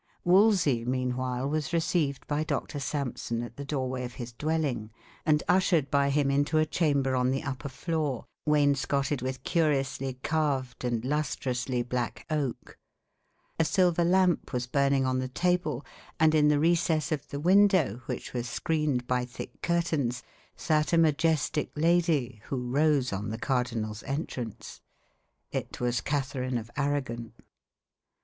Wolsey, meanwhile, was received by Doctor Sampson at the doorway of his dwelling, and ushered by him into a chamber on the upper floor, wainscoted with curiously carved and lustrously black oak. A silver lamp was burning the on the table, and in the recess of the window, which was screened by thick curtains, sat a majestic lady, who rose on the cardinal's entrance. It was Catherine of Arragon.